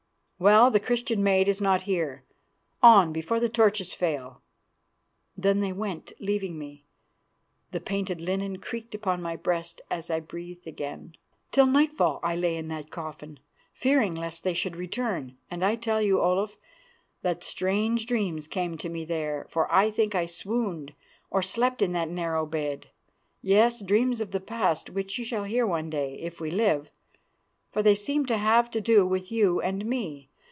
Well, the Christian maid is not here. On, before the torches fail.' "Then they went, leaving me; the painted linen creaked upon my breast as I breathed again. "'Till nightfall I lay in that coffin, fearing lest they should return; and I tell you, Olaf, that strange dreams came to me there, for I think I swooned or slept in that narrow bed. Yes, dreams of the past, which you shall hear one day, if we live, for they seem to have to do with you and me.